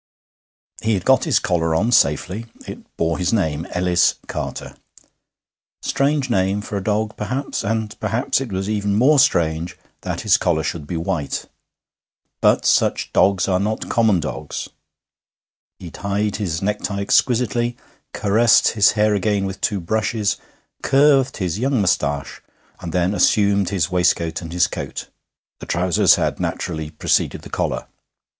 I He had got his collar on safely; it bore his name Ellis Carter. Strange name for a dog, perhaps; and perhaps it was even more strange that his collar should be white. But such dogs are not common dogs. He tied his necktie exquisitely; caressed his hair again with two brushes; curved his young moustache, and then assumed his waistcoat and his coat; the trousers had naturally preceded the collar.